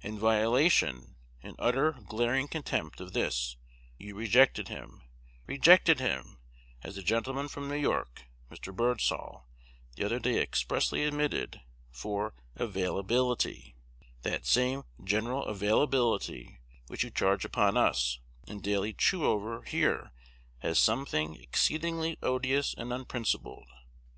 In violation, in utter, glaring contempt of this, you rejected him, rejected him, as the gentleman from New York (Mr. Birdsall), the other day expressly admitted, for availability, that same "general availability" which you charge upon us, and daily chew over here, as something exceedingly odious and unprincipled.